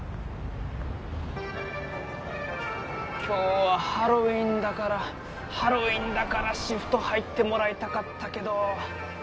今日はハロウィンだからハロウィンだからシフト入ってもらいたかったけど！